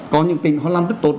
có những tình họ làm rất tốt